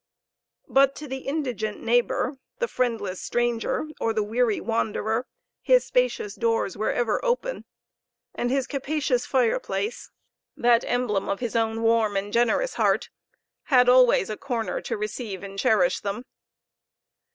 But to the indigent neighbor, the friendless stranger, or the weary wanderer, his spacious doors were ever open, and his capacious fireplace, that emblem of his own warm and generous heart, had always a corner to receive and cherish them.